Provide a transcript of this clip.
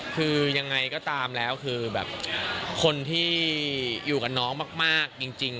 คือยังไงก็ตามแล้วคือแบบคนที่อยู่กับน้องมากจริง